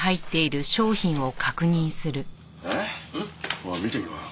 おい見てみろよ。